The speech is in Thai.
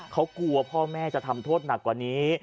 เขากลัวพ่อแม่จะทำโทษหนักกว่านี้